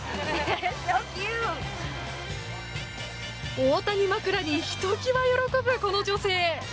オオタニ枕にひときわ喜ぶ、この女性。